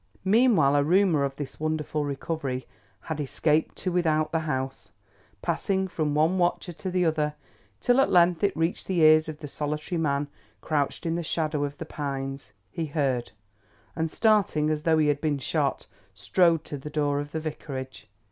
Meanwhile a rumour of this wonderful recovery had escaped to without the house—passing from one watcher to the other till at length it reached the ears of the solitary man crouched in the shadow of the pines. He heard, and starting as though he had been shot, strode to the door of the Vicarage.